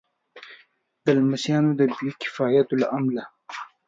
د لمسیانو د بې کفایتیو له امله.